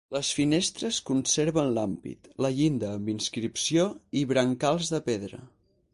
Les finestres conserven l'ampit, la llinda amb inscripció i brancals de pedra.